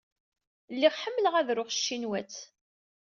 Lliɣ ḥemmleɣ ad aruɣ s tcinwat.